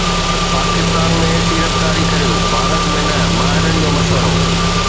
پاڪستان ۾ سيڙپڪاري ڪريو، ڀارت ۾ نه، ماهرن جو مشورو